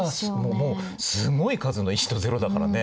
もうすごい数の１と０だからね。